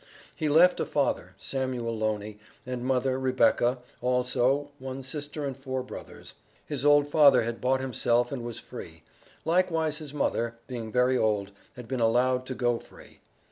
He left a father, Samuel Loney, and mother, Rebecca also, one sister and four brothers. His old father had bought himself and was free; likewise his mother, being very old, had been allowed to go free.